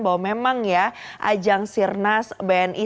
bahwa memang ya ajang sirnas bni